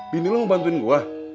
bini lo mau bantuin gue